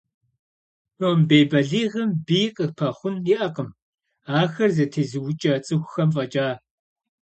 Домбей бэлигъым бий къыпэхъун иӏэкъым, ахэр зэтезыукӏэ цӏыхухэм фӏэкӏа.